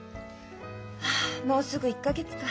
はあもうすぐ１か月か。